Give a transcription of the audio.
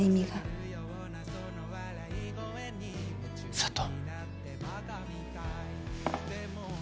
佐都。